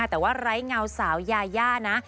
แต่ว่าไร้เงาสาวยาย่านะ